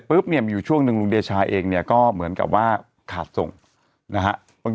แล้วลุงเดชาเองเนี่ยก็เหมือนกับว่าขาดส่งนะฮะ